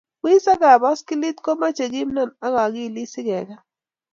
Wiseek ab boskilit komeche kimnon ak akilit si keket.